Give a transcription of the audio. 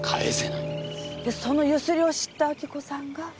でそのゆすりを知った亜希子さんが。